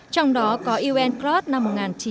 trong đó có unclos năm một nghìn chín trăm tám mươi hai